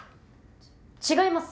ち違います。